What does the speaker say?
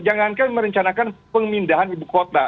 jangankan merencanakan pemindahan ibu kota